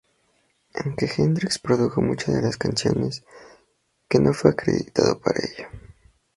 Aunque Hendrix produjo muchas de las canciones, que no fue acreditado para ello.